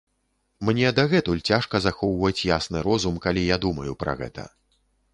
Мне дагэтуль цяжка захоўваць ясны розум, калі я думаю пра гэта.